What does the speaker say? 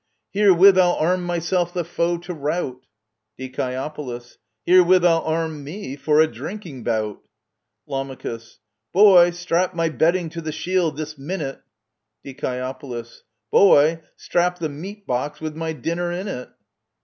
Herewith I'll arm myself the foe to rout ! Die. Herewith I'll arm me — for a drinking bout ! Lam. Boy, strap my bedding to the shield this minute ! Die. Boy, strap the meat box with my dinner in it